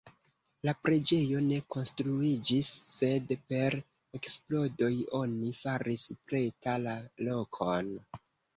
La preĝejo ne konstruiĝis, sed per eksplodoj oni faris preta la lokon.